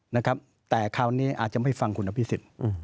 นะครับแต่คราวนี้อาจจะไม่ฟังคุณอภิษฎ